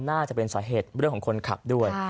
น่าจะเป็นสาเหตุเรื่องของคนขับด้วย